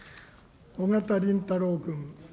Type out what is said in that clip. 緒方林太郎君。